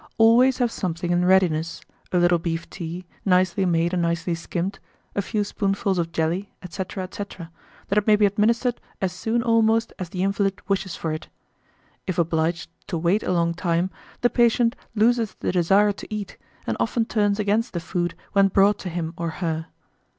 1843. Always have something in readiness; a little beef tea, nicely made and nicely skimmed, a few spoonfuls of jelly, &c. &c., that it may be administered as soon almost as the invalid wishes for it. If obliged to wait a long time, the patient loses the desire to eat, and often turns against the food when brought to him or her.